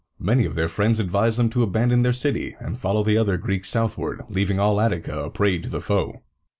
Many of their friends advised them to abandon their city, and follow the other Greeks southward, leaving all Attica a prey to the foe.